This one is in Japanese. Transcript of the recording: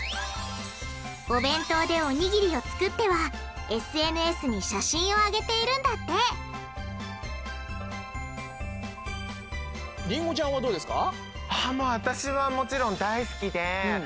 お弁当でおにぎりを作ってはＳＮＳに写真を上げているんだってりんごちゃんはどうですか？